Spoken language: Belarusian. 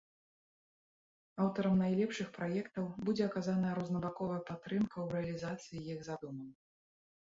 Аўтарам найлепшых праектаў будзе аказаная рознабаковая падтрымка ў рэалізацыі іх задумаў.